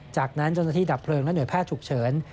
จากนั้นจนที่ดับเพลิงและเหนือแพทย์ถูกเฉิน